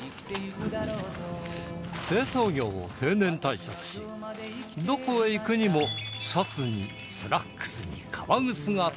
清掃業を定年退職しどこへ行くにもシャツにスラックスに革靴が定番との事